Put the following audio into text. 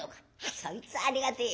そいつはありがてえや。